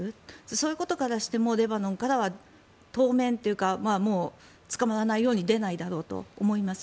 そういうことからしてもレバノンからは当面というかもう捕まらないように出ないだろうと思います。